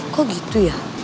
kok gitu ya